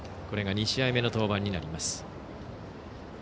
これが２試合目の登板になります。